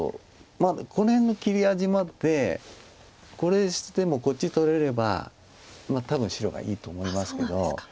まあこの辺の切り味もあってこれ捨ててもこっち取れれば多分白がいいと思いますけど。